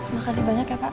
makasih banyak ya pak